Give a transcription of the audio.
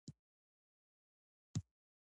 يعني پۀ ټوغه ملا ناسته پاسته